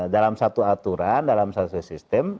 dalam satu aturan dalam satu sistem